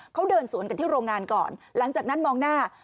เขาเดินสวนกันที่โรงงานก่อนหลังจากนั้นมองหน้า